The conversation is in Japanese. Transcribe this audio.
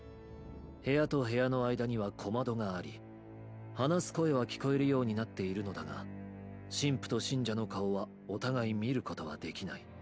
部屋と部屋の間には「小窓」があり「話す声」は聞こえるようになっているのだが神父と信者の顔はお互い見ることはできない。